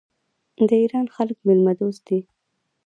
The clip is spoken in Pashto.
د ایران خلک میلمه دوست دي.